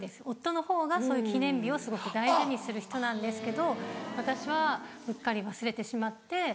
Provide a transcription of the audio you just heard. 夫のほうがそういう記念日をすごく大事にする人なんですけど私はうっかり忘れてしまって。